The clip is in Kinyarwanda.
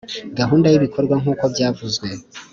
gahunda y ibikorwa nk uko byavuzwe